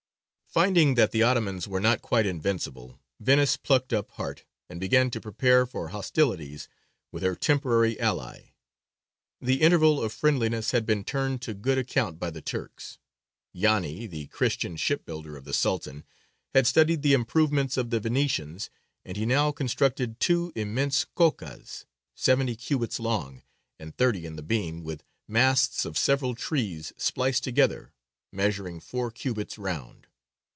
Finding that the Ottomans were not quite invincible, Venice plucked up heart, and began to prepare for hostilities with her temporary ally. The interval of friendliness had been turned to good account by the Turks. Yāni, the Christian shipbuilder of the Sultan, had studied the improvements of the Venetians, and he now constructed two immense kokas, seventy cubits long and thirty in the beam, with masts of several trees spliced together, measuring four cubits round.